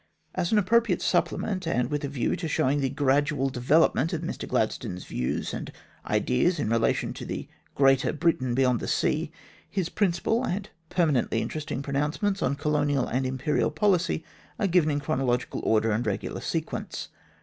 As an appropriate supplement, and with a view to showing the gradual development of Mr Gladstone's views and ideas in relation to the Greater Britain beyond the seas, his principal and permanently interesting pronouncements on Colonial and Imperial policy are given in chronological order and regular sequence.